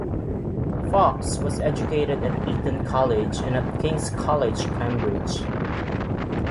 Foxe was educated at Eton College and at King's College, Cambridge.